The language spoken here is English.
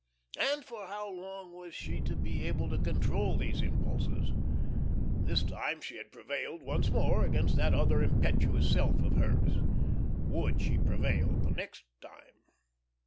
And for how long was she to be able to control these impulses? This time she had prevailed once more against that other impetuous self of hers. Would she prevail the next time?